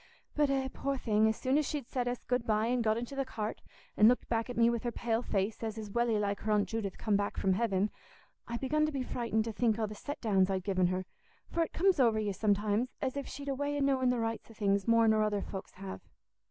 But eh, poor thing, as soon as she'd said us 'good bye' an' got into the cart, an' looked back at me with her pale face, as is welly like her Aunt Judith come back from heaven, I begun to be frightened to think o' the set downs I'd given her; for it comes over you sometimes as if she'd a way o' knowing the rights o' things more nor other folks have.